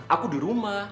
aku di rumah